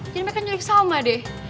jadi mereka nyulik salma deh